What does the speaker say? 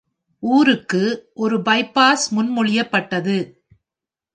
ஊருக்கு ஒரு பைபாஸ் முன்மொழியப்பட்டது.